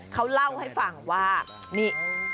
เขาเล่าให้ฟังว่านี่